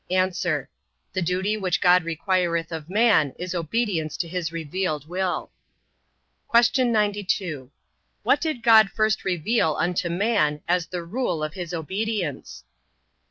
A. The duty which God requireth of man, is obedience to his revealed will. Q. 92. What did God first reveal unto man as the rule of his obedience?